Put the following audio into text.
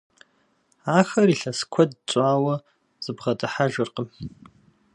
Ахэр илъэс куэд щӏауэ зыбгъэдыхьэжыркъым.